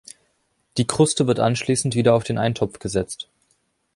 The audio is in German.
Die Kruste wird anschließend wieder auf den Eintopf gesetzt.